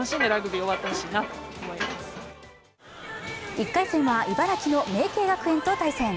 １回戦は茨城の茗溪学園と対戦。